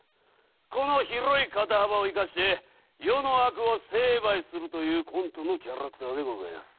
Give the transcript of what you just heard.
この広い肩幅を生かして世の悪を成敗するというコントのキャラクターでございます。